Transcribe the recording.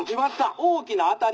「大きな当たり」。